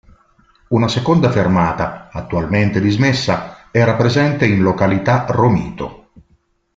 Una seconda fermata, attualmente dismessa, era presente in località Romito.